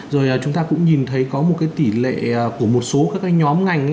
rồi chúng ta cũng nhìn thấy có một tỷ lệ của một số các nhóm ngành